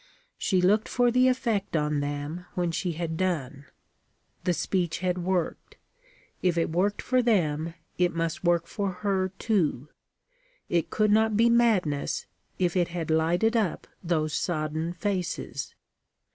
She looked for the effect on them when she had done. The speech had worked. If it worked for them, it must work for her, too. It could not be madness, if it had lighted up those sodden faces.